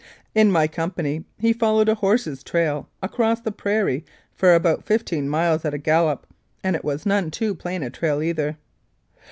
In my company, he followed a horse's trail across the prairie for about fifteen miles at a gallop, and it was none too plain a trail either.